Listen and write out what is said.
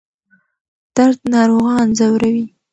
درد ناروغان ځوروي.